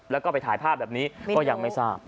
แล้วก็ไปถ่ายภาพแบบนี้ก็ยังไม่ทราบ